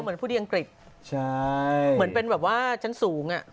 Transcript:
เหมือนพูดยังกฤษเสร่นน่ะเหมือนเป็นแบบว่าชั้นสูงอ่ะ